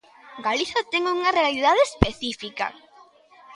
Galiza ten unha realidade específica.